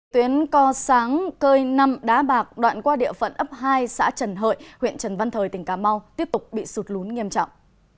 tuyến co sáng cơi năm đá bạc đoạn qua địa phận ấp hai xã trần hợi huyện trần văn thời tỉnh cà mau tiếp tục bị sụt lún nghiêm trọng